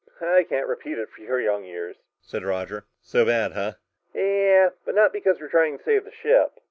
"I can't repeat it for your young ears," said Roger. "So bad, huh?" "Yeah, but not because we're trying to save the ship."